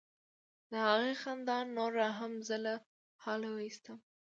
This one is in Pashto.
د هغې خندا نوره هم زه له حاله ویستلم.